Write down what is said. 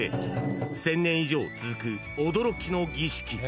１０００年以上続く驚きの儀式。